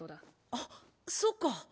あっそっか。